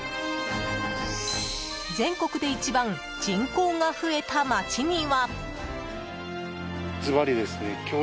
全国で一番人口が増えた街には。